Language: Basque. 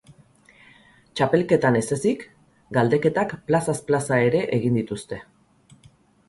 Txapelketan ez ezik galdeketak plazaz plaza ere egin dituzte.